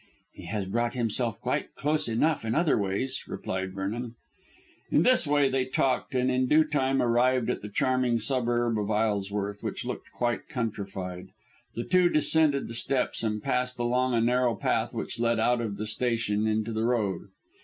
"He has brought himself quite close enough in other ways," replied Vernon. In this way they talked, and in due time arrived at the charming suburb of Isleworth, which looked quite countrified. The two descended the steps and passed along a narrow path which led out of the station into the road.